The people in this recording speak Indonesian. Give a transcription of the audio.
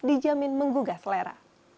dijamin menggugah selera